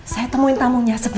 saya temuin tamunya sebentar bu